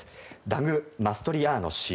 ダグ・マストリアーノ氏。